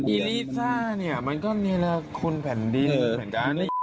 ลิซ่าเนี่ยมันก็เนรคุณแผ่นดินเลยเหมือนกัน